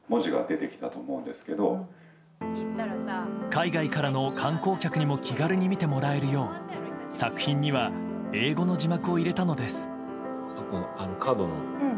海外からの観光客にも気軽に見てもらえるよう作品には英語の字幕を入れたのです。